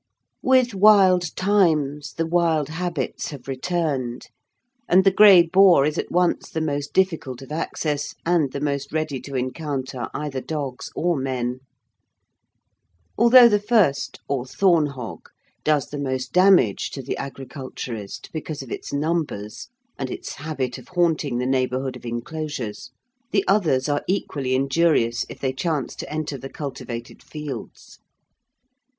With wild times, the wild habits have returned, and the grey boar is at once the most difficult of access, and the most ready to encounter either dogs or men. Although the first, or thorn hog, does the most damage to the agriculturist because of its numbers, and its habit of haunting the neighbourhood of enclosures, the others are equally injurious if they chance to enter the cultivated fields.